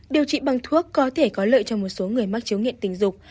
điều trị bằng thuốc có thể có lợi cho một số người mắc chứng nghiện tình dục